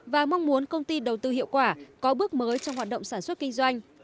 và mong muốn công ty đầu tư hiệu quả có bước mới trong hoạt động sản xuất kinh doanh